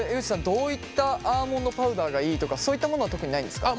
どういったアーモンドパウダーがいいとかそういったものは特にないんですか？